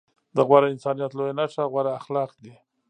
د غوره انسانيت لويه نښه غوره اخلاق دي.